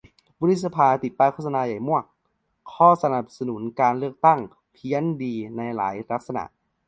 วุฒิสภา ติดป้ายโฆษณาใหญ่มวาก "ขอสนับสนุนการเลือกตั้ง" เพี้ยนดี ในหลายลักษณะ